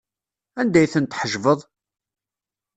Anda ay ten-tḥejbeḍ?